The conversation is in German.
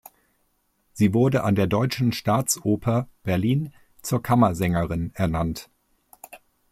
Sie wurde an der Deutschen Staatsoper Berlin zur Kammersängerin ernannt.